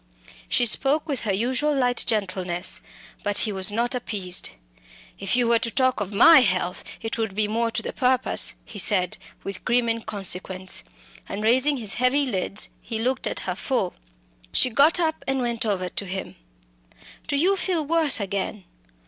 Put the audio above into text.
She spoke with her usual light gentleness, but he was not appeased. "If you were to talk of my health, it would be more to the purpose," he said, with grim inconsequence. And raising his heavy lids he looked at her full. She got up and went over to him. "Do you feel worse again?